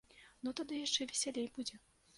Ну тады яшчэ весялей будзе.